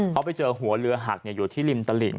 เขาไปเจอหัวเรือหักอยู่ที่ริมตลิ่ง